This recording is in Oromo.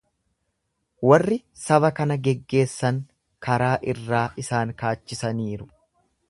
Warri saba kana geggeessan karaa irraa isaan kaachisaniiru.